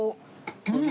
うん。